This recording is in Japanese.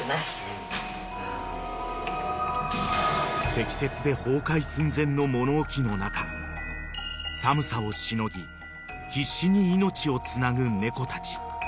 ［積雪で崩壊寸前の物置の中寒さをしのぎ必死に命をつなぐ猫たち］